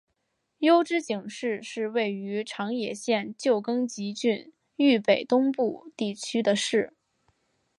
筱之井市是位于长野县旧更级郡域北东部地区的市。